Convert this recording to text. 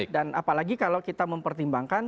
dan apalagi kalau kita mempertimbangkan